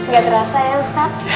gak terasa ya ustaz